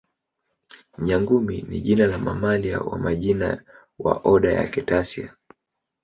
Nyangumi ni jina la mamalia wa majini wa oda ya Cetacea